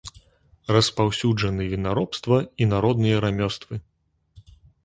Распаўсюджаны вінаробства і народныя рамёствы.